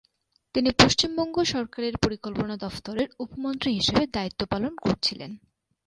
তিনি পশ্চিমবঙ্গ সরকারের পরিকল্পনা দফতরের উপমন্ত্রী হিসেবে দায়িত্ব পালন করেছিলেন।